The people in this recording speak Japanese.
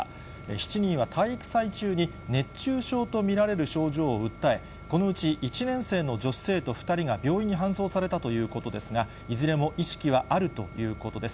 ７人は体育祭中に熱中症と見られる症状を訴え、このうち１年生の女子生徒２人が病院に搬送されたということですが、いずれも意識はあるということです。